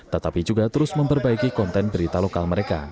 tetapi juga terus memperbaiki konten berita lokal mereka